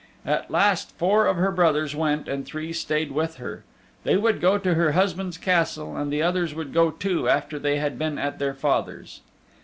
At last four of her brothers went and three stayed with her. They would go to her husband's Castle and the others would go too after they had been at their father's.